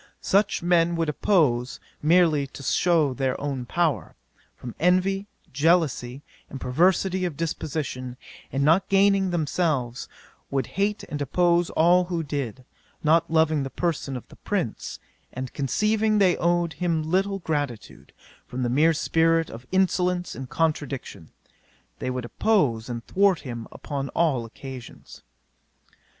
Such men would oppose, merely to shew their power, from envy, jealousy, and perversity of disposition; and not gaining themselves, would hate and oppose all who did: not loving the person of the prince, and conceiving they owed him little gratitude, from the mere spirit of insolence and contradiction, they would oppose and thwart him upon all occasions."